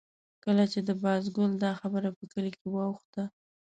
کله چې د بازګل دا خبره په کلي کې واوښته.